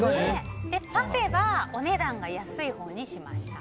パフェはお値段が安いほうにしました。